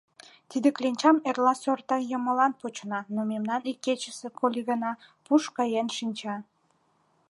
Тиде кленчам эрла сорта йымаллан почына, но мемнан икечысе колигына пуш каен шинча.